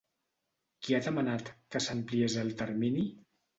Qui ha demanat que s'ampliés el termini?